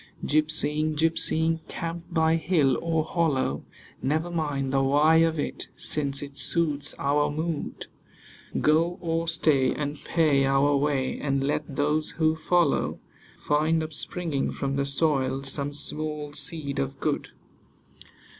Gypsying, gypsying, camp by hill or hollow; Never mind the why of it, since it suits our mood. Go or stay, and pay our way, and let those who follow Find, upspringing from the soil, some small seed of good.